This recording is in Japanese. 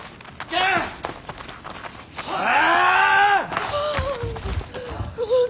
はあ。